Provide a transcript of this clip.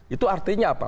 itu artinya apa